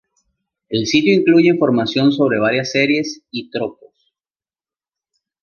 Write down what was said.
El sitio incluye información sobre varias series y tropos.